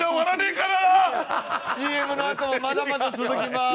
ＣＭのあともまだまだ続きます。